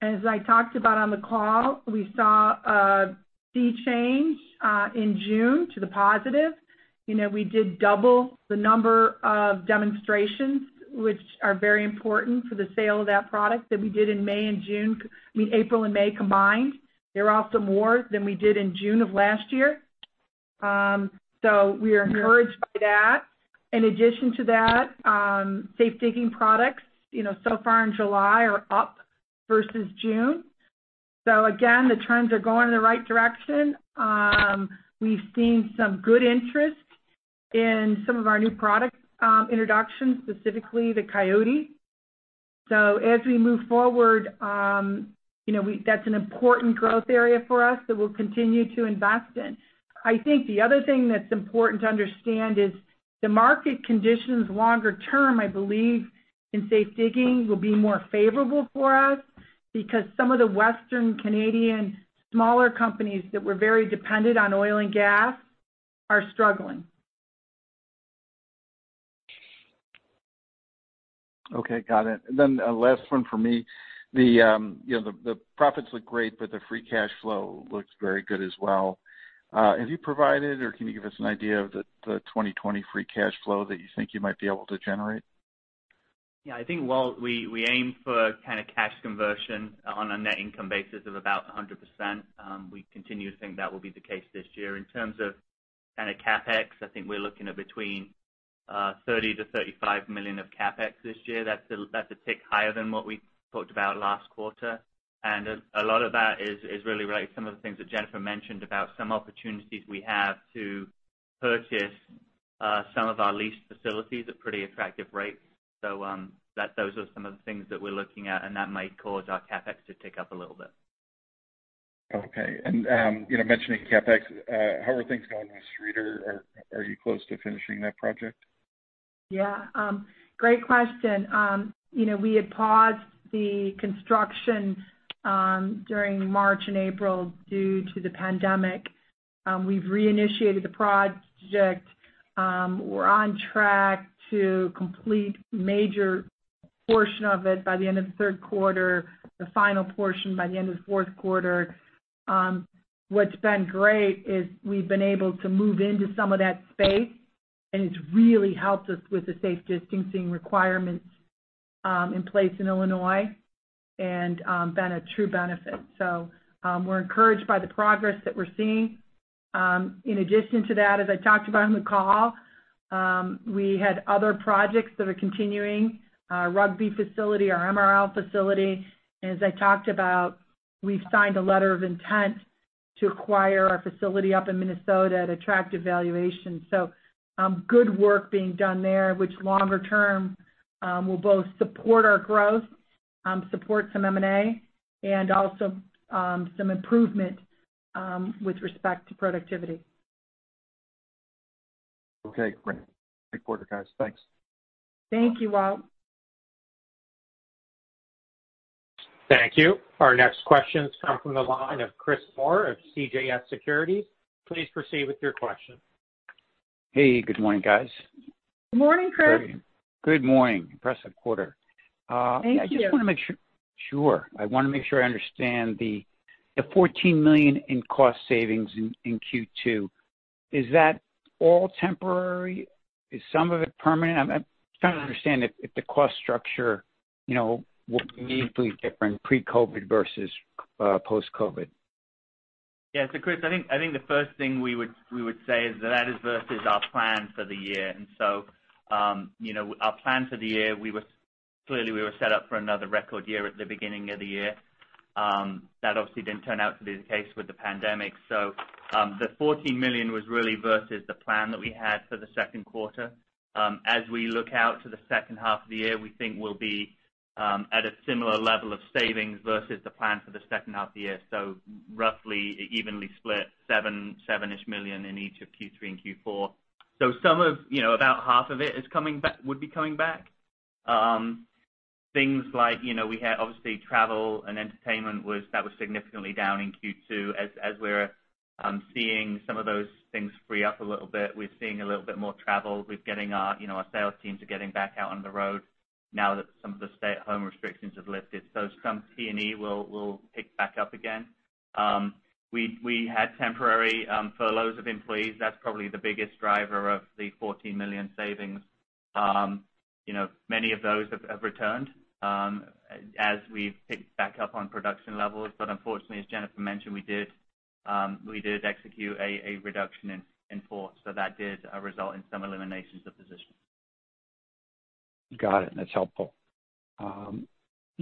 As I talked about on the call, we saw a sea change in June to the positive. We did double the number of demonstrations, which are very important for the sale of that product that we did in April and May combined. There are some more than we did in June of last year. We are encouraged by that. In addition to that, safe digging products so far in July are up versus June. Again, the trends are going in the right direction. We've seen some good interest in some of our new product introductions, specifically the Coyote. As we move forward, that's an important growth area for us that we'll continue to invest in. I think the other thing that's important to understand is the market conditions longer term, I believe, in safe digging will be more favorable for us because some of the western Canadian smaller companies that were very dependent on oil and gas are struggling. Okay, got it. Last one from me. The profits look great, but the free cash flow looks very good as well. Have you provided, or can you give us an idea of the 2020 free cash flow that you think you might be able to generate? Yeah, I think while we aim for kind of cash conversion on a net income basis of about 100%, we continue to think that will be the case this year. In terms of kind of CapEx, I think we're looking at between $30 million-$35 million of CapEx this year. That's a tick higher than what we talked about last quarter. A lot of that is really related to some of the things that Jennifer mentioned about some opportunities we have to purchase some of our leased facilities at pretty attractive rates. Those are some of the things that we're looking at, and that might cause our CapEx to tick up a little bit. Okay. Mentioning CapEx, how are things going with Streator, or are you close to finishing that project? Yeah. Great question. We had paused the construction during March and April due to the pandemic. We've reinitiated the project. We're on track to complete a major portion of it by the end of the third quarter, the final portion by the end of the fourth quarter. What's been great is we've been able to move into some of that space, and it's really helped us with the safe distancing requirements in place in Illinois and been a true benefit. We're encouraged by the progress that we're seeing. In addition to that, as I talked about on the call, we had other projects that are continuing, our Rugby facility, our MRL facility. As I talked about, we've signed a letter of intent to acquire a facility up in Minnesota at attractive valuation. Good work being done there, which longer term, will both support our growth, support some M&A, and also some improvement with respect to productivity. Okay, great. Great quarter, guys. Thanks. Thank you, Walt. Thank you. Our next question comes from the line of Chris Moore of CJS Securities. Please proceed with your question. Hey, good morning, guys. Good morning, Chris. Good morning. Impressive quarter. Thank you. Sure. I want to make sure I understand the $14 million in cost savings in Q2. Is that all temporary? Is some of it permanent? I'm trying to understand if the cost structure will be meaningfully different pre-COVID versus post-COVID. Yeah. Chris, I think the first thing we would say is that is versus our plan for the year. Our plan for the year, clearly, we were set up for another record year at the beginning of the year. That obviously didn't turn out to be the case with the pandemic. The $14 million was really versus the plan that we had for the second quarter. As we look out to the second half of the year, we think we'll be at a similar level of savings versus the plan for the second half of the year. Roughly, evenly split $7-ish million in each of Q3 and Q4. About half of it would be coming back. Things like, we had obviously travel and entertainment, that was significantly down in Q2. As we're seeing some of those things free up a little bit, we're seeing a little bit more travel. Our sales teams are getting back out on the road now that some of the stay-at-home restrictions have lifted. Some T&E will pick back up again. We had temporary furloughs of employees. That's probably the biggest driver of the $14 million savings. Many of those have returned as we've picked back up on production levels. Unfortunately, as Jennifer mentioned, we did execute a reduction in force. That did result in some eliminations of positions. Got it. That's helpful.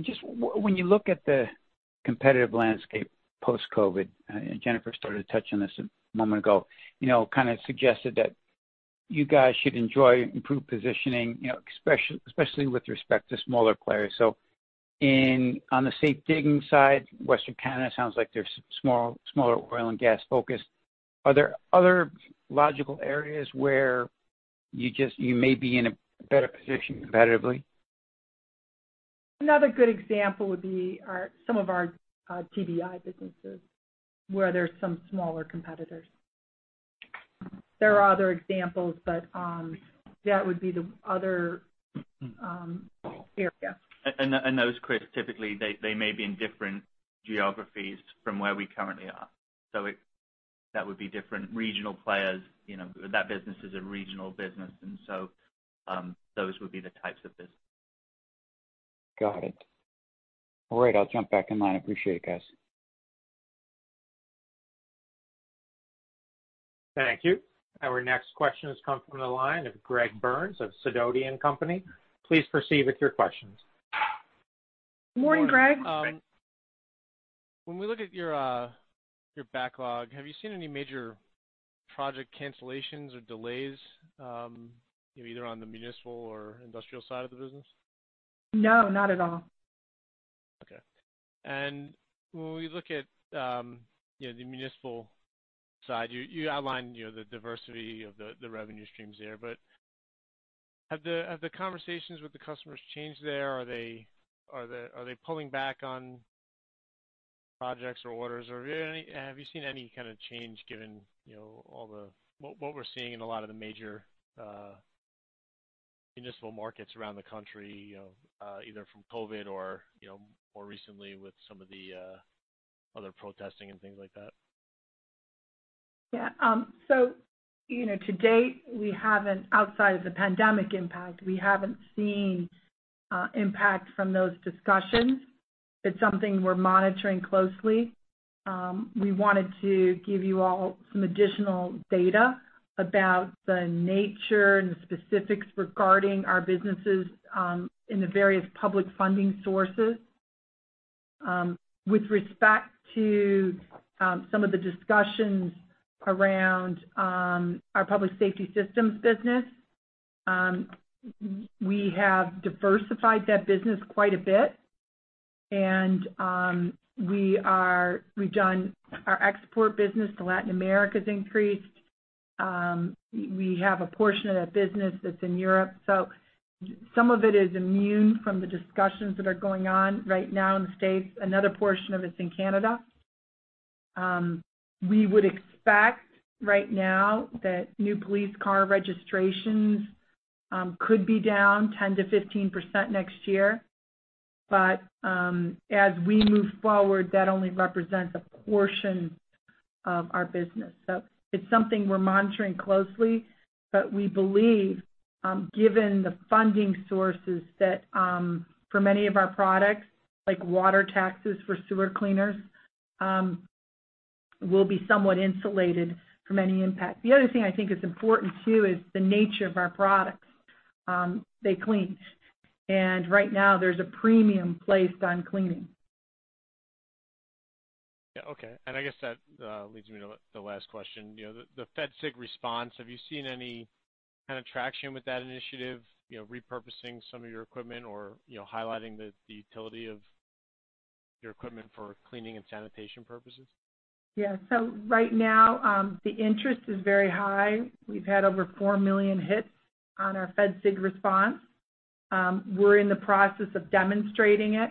Just when you look at the competitive landscape post-COVID, and Jennifer started touching on this a moment ago, kind of suggested that you guys should enjoy improved positioning, especially with respect to smaller players. On the safe digging side, Western Canada sounds like there's smaller oil and gas focus. Are there other logical areas where you may be in a better position competitively? Another good example would be some of our TBEI businesses, where there's some smaller competitors. There are other examples, but that would be the other area. Those, Chris, typically, they may be in different geographies from where we currently are. That would be different regional players. That business is a regional business, and so those would be the types of businesses. Got it. All right. I'll jump back in line. Appreciate it, guys. Thank you. Our next question comes from the line of Greg Burns of Sidoti & Company. Please proceed with your questions. Morning, Greg. When we look at your backlog, have you seen any major project cancellations or delays, either on the municipal or industrial side of the business? No, not at all. Okay. When we look at the municipal side, you outlined the diversity of the revenue streams there, but have the conversations with the customers changed there? Are they pulling back on projects or orders, or have you seen any kind of change given what we're seeing in a lot of the major municipal markets around the country, either from COVID or more recently with some of the other protesting and things like that? Yeah. To date, outside of the pandemic impact, we haven't seen impact from those discussions. It's something we're monitoring closely. We wanted to give you all some additional data about the nature and the specifics regarding our businesses in the various public funding sources. With respect to some of the discussions around our public safety systems business, we have diversified that business quite a bit, and our export business to Latin America has increased. We have a portion of that business that's in Europe. Some of it is immune from the discussions that are going on right now in the States, another portion of it's in Canada. We would expect right now that new police car registrations could be down 10%-15% next year. As we move forward, that only represents a portion of our business. It's something we're monitoring closely, but we believe, given the funding sources, that for many of our products, like water taxes for sewer cleaners, we'll be somewhat insulated from any impact. The other thing I think is important too is the nature of our products. They clean, and right now there's a premium placed on cleaning. Yeah. Okay. I guess that leads me to the last question. The FedSig Response, have you seen any kind of traction with that initiative, repurposing some of your equipment or highlighting the utility of your equipment for cleaning and sanitation purposes? Yeah. Right now, the interest is very high. We've had over 4 million hits on our FedSig Response. We're in the process of demonstrating it.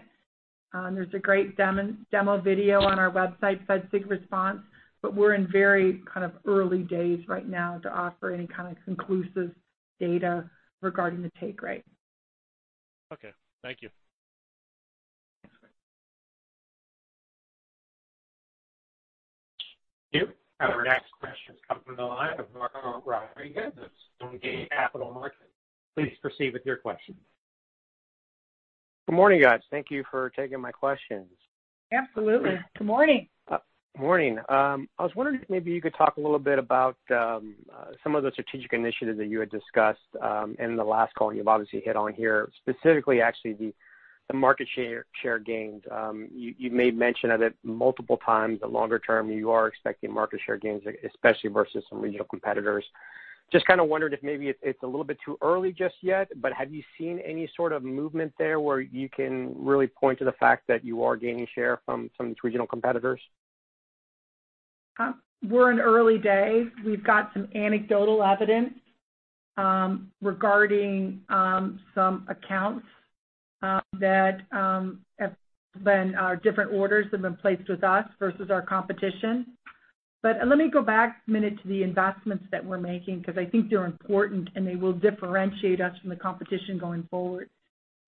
There's a great demo video on our website, FedSig Response, we're in very kind of early days right now to offer any kind of conclusive data regarding the take rate. Okay. Thank you. Thanks. Our next question is coming from the line of Marco Rodriguez with Stonegate Capital Markets. Please proceed with your question. Good morning, guys. Thank you for taking my questions. Absolutely. Good morning. Morning. I was wondering if maybe you could talk a little bit about some of the strategic initiatives that you had discussed in the last call. You've obviously hit on here specifically, actually, the market share gains. You've made mention of it multiple times. The longer term, you are expecting market share gains, especially versus some regional competitors. Just kind of wondered if maybe it's a little bit too early just yet, but have you seen any sort of movement there where you can really point to the fact that you are gaining share from some regional competitors? We're in early days. We've got some anecdotal evidence regarding some accounts that different orders have been placed with us versus our competition. Let me go back a minute to the investments that we're making, because I think they're important, and they will differentiate us from the competition going forward.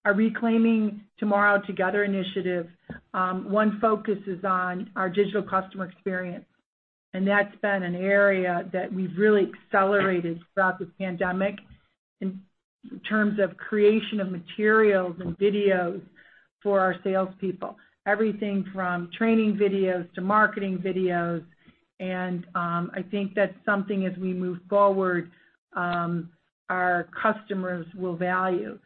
Our Reclaiming Tomorrow Together initiative, one focus is on our digital customer experience, and that's been an area that we've really accelerated throughout the pandemic in terms of creation of materials and videos for our salespeople. Everything from training videos to marketing videos, I think that's something, as we move forward, our customers will value.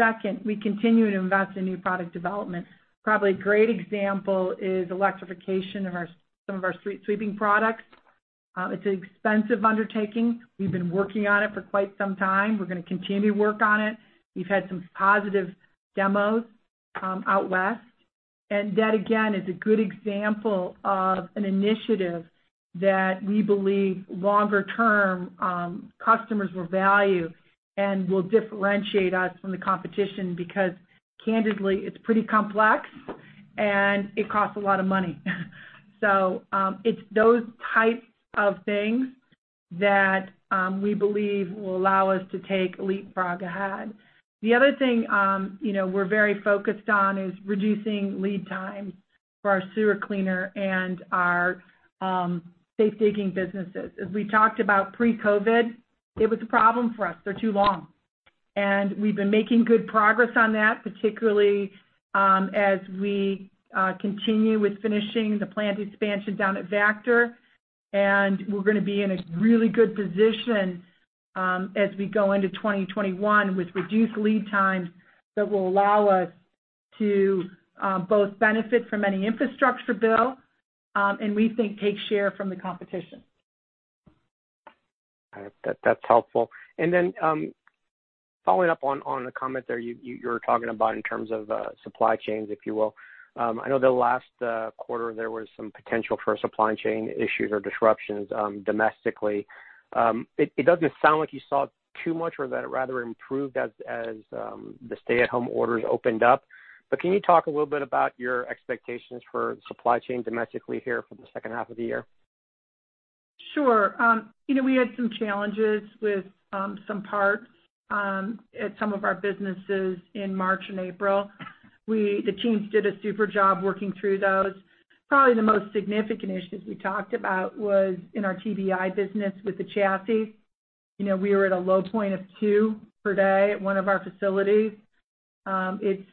Second, we continue to invest in new product development. Probably a great example is electrification of some of our street sweeping products. It's an expensive undertaking. We've been working on it for quite some time. We're going to continue to work on it. We've had some positive demos out west, and that, again, is a good example of an initiative that we believe longer term, customers will value and will differentiate us from the competition, because candidly, it's pretty complex, and it costs a lot of money. It's those types of things that we believe will allow us to take leapfrog ahead. The other thing we're very focused on is reducing lead time for our sewer cleaner and our safe digging businesses. As we talked about pre-COVID, it was a problem for us. They're too long. We've been making good progress on that, particularly as we continue with finishing the plant expansion down at Vactor. We're going to be in a really good position as we go into 2021 with reduced lead times that will allow us to both benefit from any infrastructure bill, and we think take share from the competition. All right. That's helpful. Following up on the comment there you were talking about in terms of supply chains, if you will. I know the last quarter, there was some potential for supply chain issues or disruptions domestically. It doesn't sound like you saw too much or that it rather improved as the stay-at-home orders opened up. Can you talk a little bit about your expectations for supply chain domestically here for the second half of the year? Sure. We had some challenges with some parts at some of our businesses in March and April. The teams did a super job working through those. Probably the most significant issues we talked about was in our TBEI business with the chassis. We were at a low point of two per day at one of our facilities. It's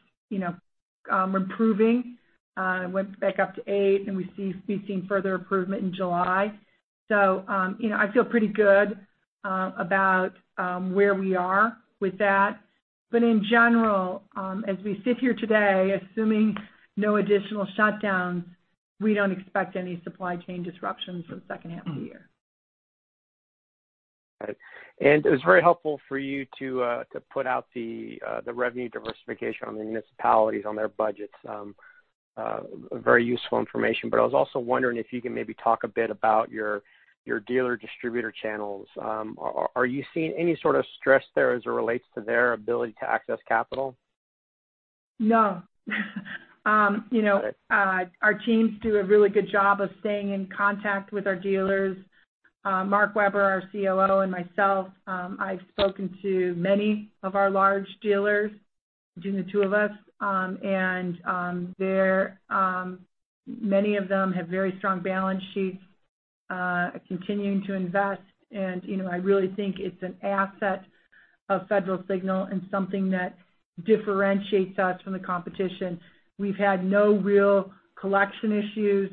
improving, it went back up to eight, and we see speaking further improvement in July. I feel pretty good about where we are with that. But in general, as we sit here today, assuming no additional shutdowns, we don't expect any supply chain disruptions for the second half of the year. Got it. It was very helpful for you to put out the revenue diversification on the municipalities, on their budgets. Very useful information. I was also wondering if you can maybe talk a bit about your dealer distributor channels. Are you seeing any sort of stress there as it relates to their ability to access capital? No. Our teams do a really good job of staying in contact with our dealers. Mark Weber, our COO, and myself, I've spoken to many of our large dealers, between the two of us. Many of them have very strong balance sheets, continuing to invest. I really think it's an asset of Federal Signal and something that differentiates us from the competition. We've had no real collection issues.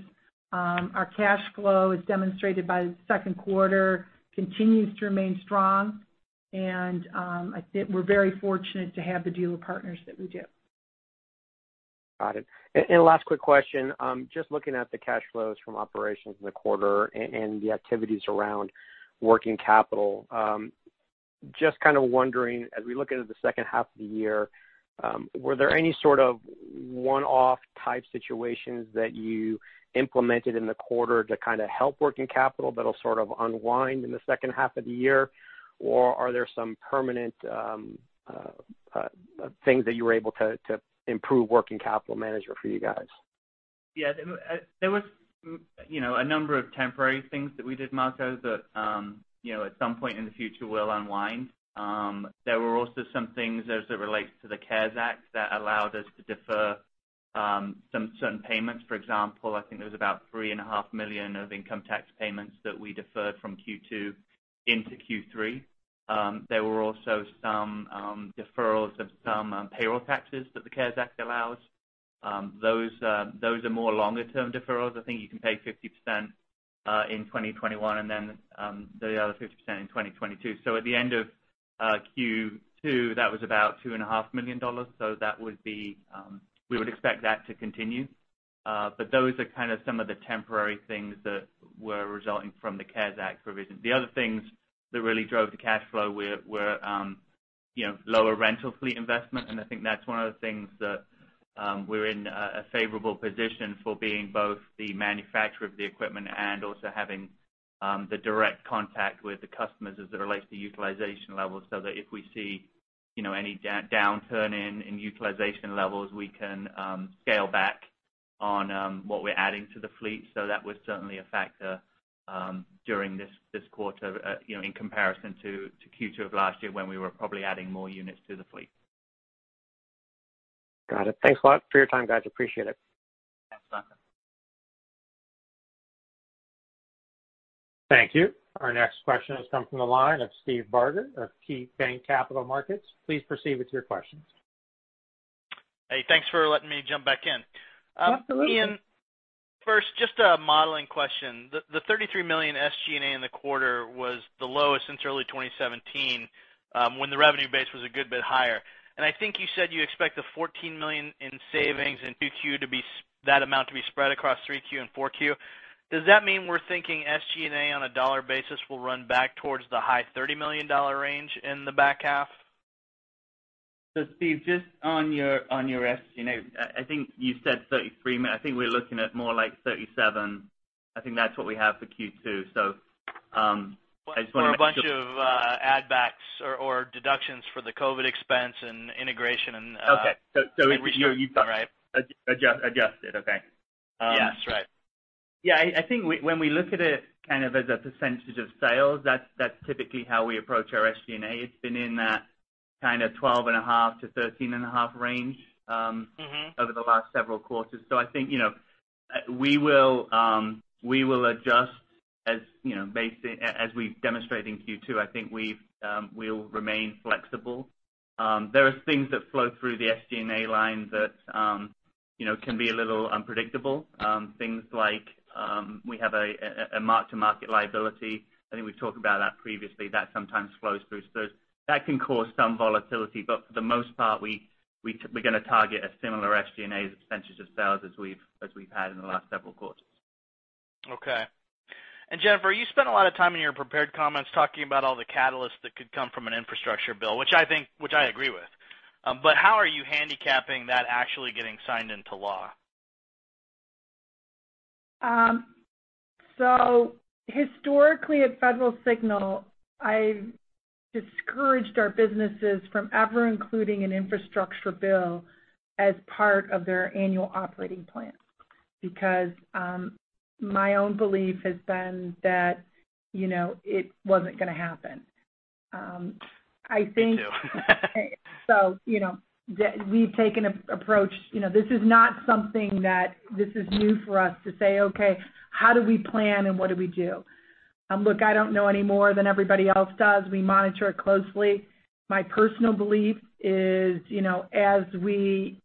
Our cash flow, as demonstrated by the second quarter, continues to remain strong. I think we're very fortunate to have the dealer partners that we do. Got it. Last quick question. Just looking at the cash flows from operations in the quarter and the activities around working capital, just kind of wondering, as we look into the second half of the year, were there any sort of one-off type situations that you implemented in the quarter to kind of help working capital that'll sort of unwind in the second half of the year? Are there some permanent things that you were able to improve working capital management for you guys? There was a number of temporary things that we did, Marco, that at some point in the future, will unwind. There were also some things as it relates to the CARES Act that allowed us to defer some certain payments. For example, I think there was about $3.5 million of income tax payments that we deferred from Q2 into Q3. There were also some deferrals of some payroll taxes that the CARES Act allows. Those are more longer-term deferrals. I think you can pay 50% in 2021 then the other 50% in 2022. At the end of Q2, that was about $2.5 million. We would expect that to continue. Those are kind of some of the temporary things that were resulting from the CARES Act provision. The other things that really drove the cash flow were lower rental fleet investment. I think that's one of the things that we're in a favorable position for being both the manufacturer of the equipment and also having the direct contact with the customers as it relates to utilization levels, so that if we see any downturn in utilization levels, we can scale back on what we're adding to the fleet. That was certainly a factor during this quarter in comparison to Q2 of last year when we were probably adding more units to the fleet. Got it. Thanks a lot for your time, guys. Appreciate it. Thanks, Marco. Thank you. Our next question has come from the line of Steve Barger of KeyBanc Capital Markets. Please proceed with your questions. Hey, thanks for letting me jump back in. Absolutely. Ian, first, just a modeling question. The $33 million SG&A in the quarter was the lowest since early 2017, when the revenue base was a good bit higher. I think you said you expect the $14 million in savings in Q2, that amount to be spread across 3Q and 4Q. Does that mean we're thinking SG&A on a dollar basis will run back towards the high $30 million range in the back half? Steve, just on your SG&A, I think you said 33. I think we're looking at more like 37. I think that's what we have for Q2. I just want to make sure. A bunch of add backs or deductions for the COVID expense and integration. Okay. Right. adjusted, okay. Yes. Right. Yeah, I think when we look at it kind of as a percentage of sales, that's typically how we approach our SG&A. It's been in that kind of 12.5%-13.5% range. over the last several quarters. I think we will adjust as we've demonstrated in Q2. I think we'll remain flexible. There are things that flow through the SG&A line that can be a little unpredictable. Things like, we have a mark-to-market liability. I think we've talked about that previously. That sometimes flows through. That can cause some volatility, but for the most part, we're going to target a similar SG&A as a percentage of sales as we've had in the last several quarters. Okay. Jennifer, you spent a lot of time in your prepared comments talking about all the catalysts that could come from an infrastructure bill, which I agree with. How are you handicapping that actually getting signed into law? Historically, at Federal Signal, I've discouraged our businesses from ever including an infrastructure bill as part of their annual operating plan, because my own belief has been that it wasn't going to happen. Me too. We've taken an approach. This is not something that this is new for us to say, "Okay, how do we plan and what do we do?" Look, I don't know any more than everybody else does. We monitor it closely. My personal belief is as we,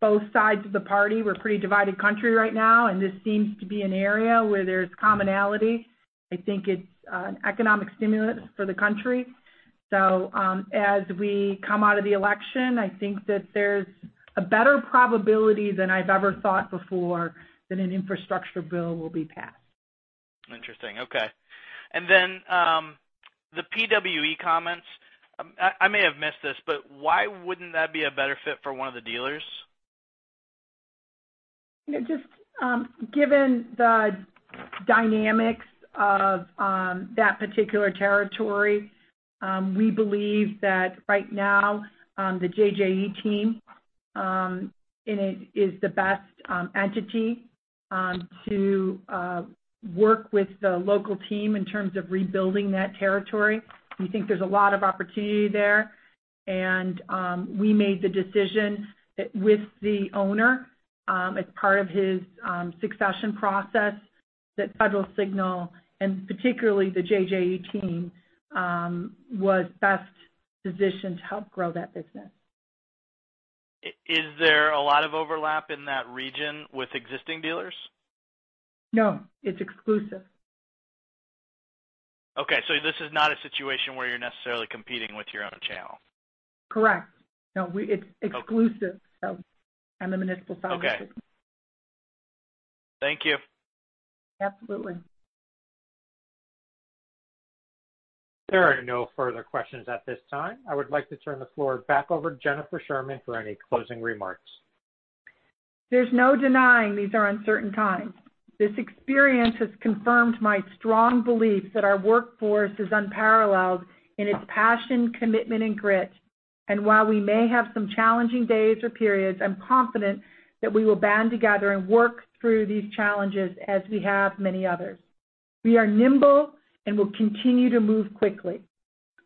both sides of the party, we're a pretty divided country right now, and this seems to be an area where there's commonality. I think it's an economic stimulus for the country. As we come out of the election, I think that there's a better probability than I've ever thought before that an infrastructure bill will be passed. Interesting. Okay. The PWE comments, I may have missed this, why wouldn't that be a better fit for one of the dealers? Just given the dynamics of that particular territory, we believe that right now the JJE team in it is the best entity to work with the local team in terms of rebuilding that territory. We think there's a lot of opportunity there, and we made the decision with the owner as part of his succession process that Federal Signal, and particularly the JJE team, was best positioned to help grow that business. Is there a lot of overlap in that region with existing dealers? No, it's exclusive. Okay, this is not a situation where you're necessarily competing with your own channel? Correct. No, it's exclusive on the municipal side of the business. Okay. Thank you. Absolutely. There are no further questions at this time. I would like to turn the floor back over to Jennifer Sherman for any closing remarks. There's no denying these are uncertain times. This experience has confirmed my strong belief that our workforce is unparalleled in its passion, commitment, and grit. While we may have some challenging days or periods, I'm confident that we will band together and work through these challenges as we have many others. We are nimble and will continue to move quickly.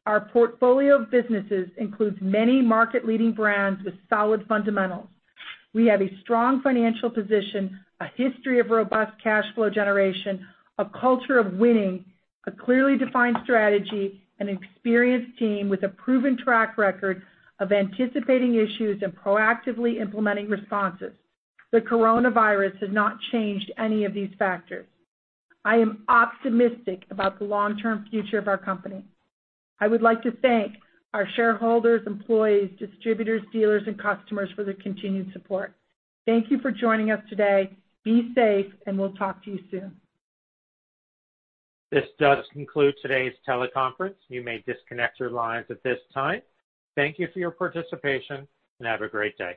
Our portfolio of businesses includes many market-leading brands with solid fundamentals. We have a strong financial position, a history of robust cash flow generation, a culture of winning, a clearly defined strategy, an experienced team with a proven track record of anticipating issues and proactively implementing responses. The coronavirus has not changed any of these factors. I am optimistic about the long-term future of our company. I would like to thank our shareholders, employees, distributors, dealers, and customers for their continued support. Thank you for joining us today. Be safe, and we'll talk to you soon. This does conclude today's teleconference. You may disconnect your lines at this time. Thank you for your participation, and have a great day.